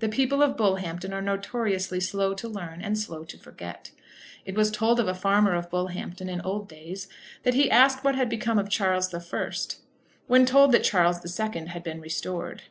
The people of Bullhampton are notoriously slow to learn, and slow to forget. It was told of a farmer of Bullhampton, in old days, that he asked what had become of Charles I., when told that Charles II. had been restored.